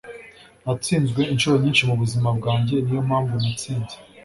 Natsinzwe inshuro nyinshi mubuzima bwanjye. Niyo mpamvu natsinze. ”